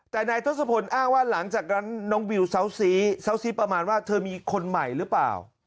แต่นายทศพลอ้างว่าหลังจากนั้นน้องวิวเซาซีเซาซีประมาณว่าเธอมีคนใหม่หรือเปล่า